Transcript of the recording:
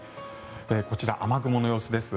こちら、雨雲の様子です。